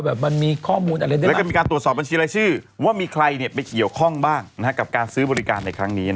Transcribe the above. หรือว่ามันมีข้อมูลครัวมีการถามอ้านทำชีวิตชื่อว่ามีใครเนี่ยเป็นเดี๋ยวค้องบ้างนะกับการซื้อบริการในครั้งนี้